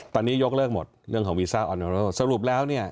ตอนนี้ยกเลิกหมดเรื่องของวีซ่าออนเนอร์สรุปแล้วเนี่ย